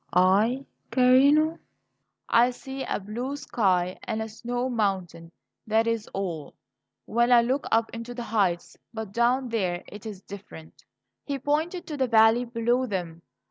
"I, carino? I see a blue sky and a snow mountain that is all when I look up into the heights. But down there it is different." He pointed to the valley below them.